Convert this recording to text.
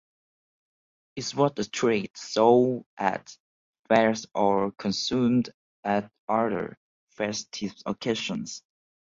It was a treat sold at fairs or consumed at other festive occasions.